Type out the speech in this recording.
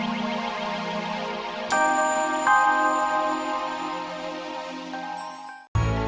tak ada apa